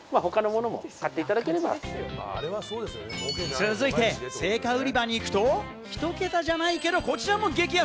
続いて、青果売り場に行くと１ケタじゃないけど、こちらも激安。